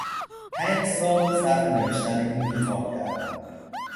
پنج سال صرف نوشتن این کتاب کردهام.